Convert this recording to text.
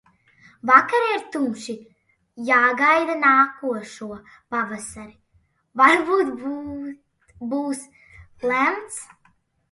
Vakari ir tumši, jāgaida nākošo pavasari – varbūt būs lemts?